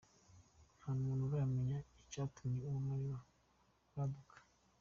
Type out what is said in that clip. Nta muntu aramenya icatumye uwo muriro waduka.